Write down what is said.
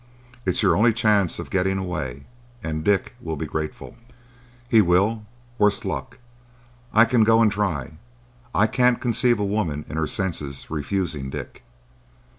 It's your only chance of getting away; and Dick will be grateful." "He will,—worse luck! I can but go and try. I can't conceive a woman in her senses refusing Dick."